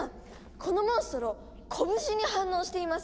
このモンストロこぶしに反応しています！